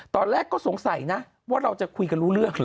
ตอนแรกก็สงสัยนะว่าเราจะคุยกันรู้เรื่อง